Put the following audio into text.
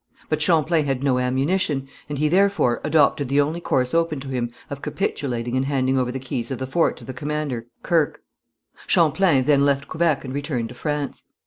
But Champlain had no ammunition, and he, therefore, adopted the only course open to him of capitulating and handing over the keys of the fort to the commander, Kirke. Champlain then left Quebec and returned to France.